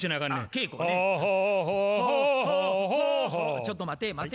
ちょっと待て待て。